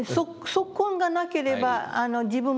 即今がなければ自分もなし。